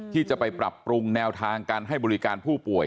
ที่จะไปปรับปรุงแนวทางการให้บริการผู้ป่วย